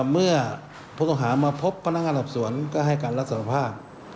เมื่อผู้ต้องหามาพบพนักงานสอบสวนก็ให้การรับสารภาพ